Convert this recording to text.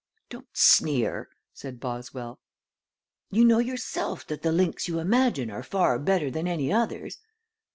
"Don't sneer," said Boswell. "You know yourself that the links you imagine are far better than any others."